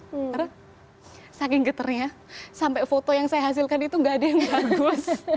karena saking getarnya sampai foto yang saya hasilkan itu gak ada yang bagus